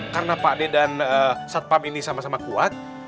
karena pak d dan satpam ini sama sama kuat